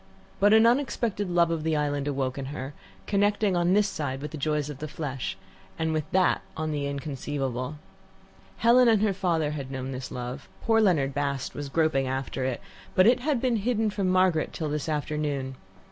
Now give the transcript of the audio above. But an unexpected love of the island awoke in her, connecting on this side with the joys of the flesh, on that with the inconceivable. Helen and her father had known this love, poor Leonard Bast was groping after it, but it had been hidden from Margaret till this afternoon.